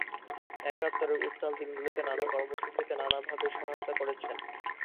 একাত্তরের উত্তাল দিনগুলোতে নানা কর্মসূচিতে নানাভাবে সহায়তা করেছেন।